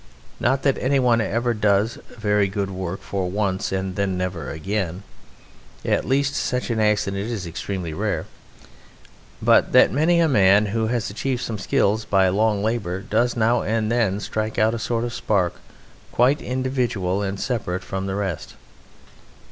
Not that any one ever does very good work for once and then never again at least, such an accident is extremely rare but that many a man who has achieved some skill by long labour does now and then strike out a sort of spark quite individual and separate from the rest.